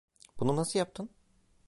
Bunu nasıl yaptın?